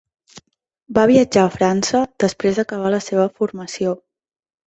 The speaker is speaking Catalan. Va viatjar a França després d'acabar la seva formació.